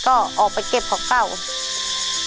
ก็ออกไปเก็บของเก่า